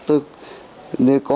tôi nghĩ có